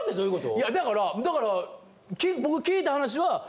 いやだから僕聞いた話は。